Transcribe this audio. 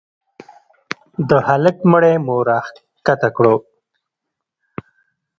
د هلك مړى مو راکښته کړ.